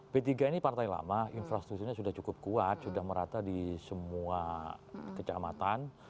p tiga ini partai lama infrastrukturnya sudah cukup kuat sudah merata di semua kecamatan